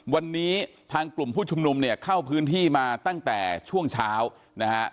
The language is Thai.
วันนี้ทางกลุ่มผู้ชุมนุมเนี่ยเข้าพื้นที่มาตั้งแต่ช่วงเช้านะฮะ